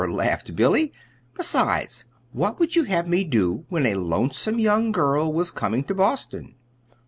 laughed Billy. "Besides, what would you have me do when a lonesome young girl was coming to Boston?